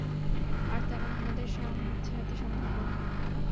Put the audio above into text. আর তারা আমাদের সাথে সম্বন্ধ করবে।